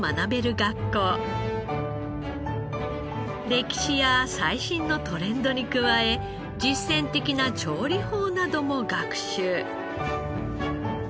歴史や最新のトレンドに加え実践的な調理法なども学習。